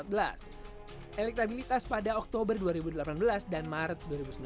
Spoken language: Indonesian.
elektabilitas pada oktober dua ribu delapan belas dan maret dua ribu sembilan belas